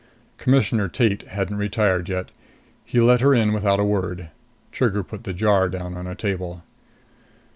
Commissioner Tate hadn't retired yet. He let her in without a word. Trigger put the jar down on a table.